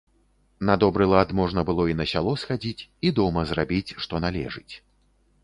На добры лад, можна было і на сяло схадзіць і дома зрабіць, што належыць.